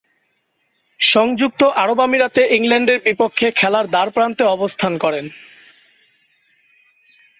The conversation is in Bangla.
সংযুক্ত আরব আমিরাতে ইংল্যান্ডের বিপক্ষে খেলার দ্বারপ্রান্তে অবস্থান করেন।